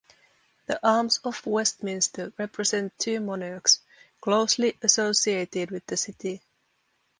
The arms of Westminster represent two monarchs, closely associated with the City.